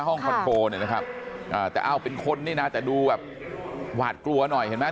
ห้องคอนโทรเนี่ยนะครับแต่เอาเป็นคนนี่นะแต่ดูแบบหวาดกลัวหน่อยเห็นไหม